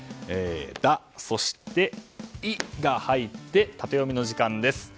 「ダ」そして「イ」が入ってタテヨミの時間です。